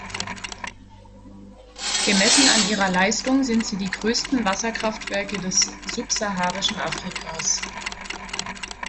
Gemessen an ihrer Leistung sind sie die größten Wasserkraftwerke des subsaharischen Afrikas.